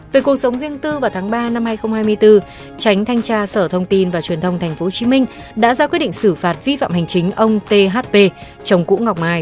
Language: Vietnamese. về cuộc sống riêng tư vào tháng ba năm hai nghìn hai mươi bốn tránh thanh tra sở thông tin và truyền thông tp hcm đã ra quyết định xử phạt vi phạm hành chính ông thp chồng cũ ngọc mai